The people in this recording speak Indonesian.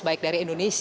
baik dari indonesia